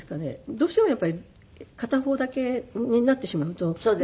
どうしてもやっぱり片方だけになってしまうと歪んでしまうので。